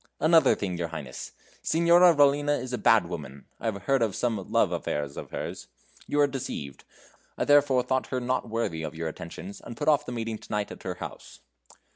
"Another thing, your Highness. Signora Rollina is a bad woman. I have heard of some love affairs of hers. You are deceived I therefore thought her not worthy of your attentions, and put off the meeting to night at her house."